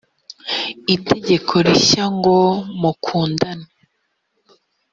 itegeko rishya ngo mukundane